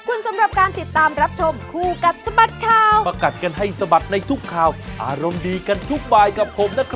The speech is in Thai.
โปรดติดตามกันทุกวันทุกวันทุกวันทุกวันทุกวัน